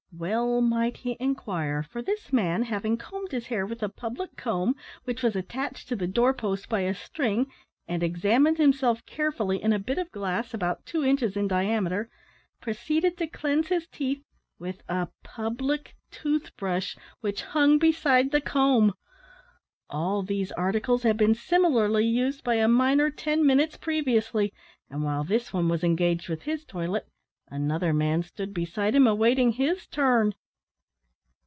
Well might he inquire, for this man, having combed his hair with a public comb, which was attached to the door post by a string, and examined himself carefully in a bit of glass, about two inches in diameter, proceeded to cleanse his teeth with a public tooth brush which hung beside the comb. All these articles had been similarly used by a miner ten minutes previously; and while this one was engaged with his toilet, another man stood beside him awaiting his turn!